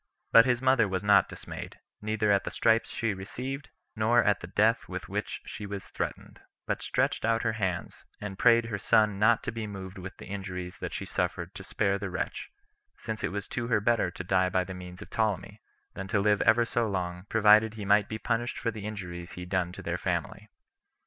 But his mother was not dismayed, neither at the stripes she received, nor at the death with which she was threatened; but stretched out her hands, and prayed her son not to be moved with the injuries that she suffered to spare the wretch; since it was to her better to die by the means of Ptolemy, than to live ever so long, provided he might be punished for the injuries he done to their family.